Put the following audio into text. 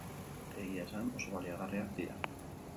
Egia esan, oso baliagarriak dira.